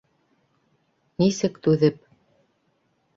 Нисек түҙеп...